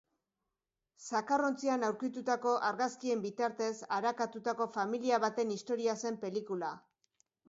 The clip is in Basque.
Zakarrontzian aurkitutako argazkien bitartez arakatutako familia baten historia zen pelikula.